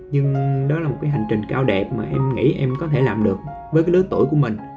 nhưng đó là một hành trình cao đẹp mà em nghĩ em có thể làm được với đứa tuổi của mình